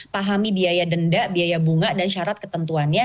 pahami biaya denda biaya bunga dan syarat ketentuannya